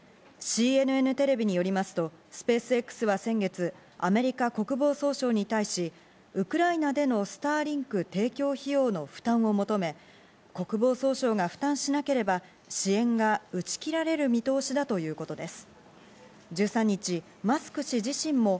ＣＮＮテレビによりますと、スペースＸは先月アメリカ国防総省に対し、ウクライナでのスターリンク提供費用の負担を求め、国防総省が負担しなければ、支援が打ち切られる見通しだということです。